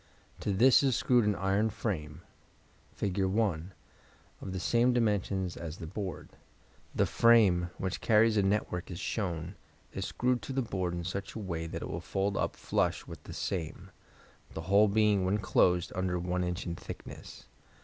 To this is screwed an iron frame (Fig. 1) of the same dimensions as the board. The frame, which carries a network as shown, is screwed to the board in such a way that it will fold up flush with the same, the whole being when closed under 1 in. in thickness.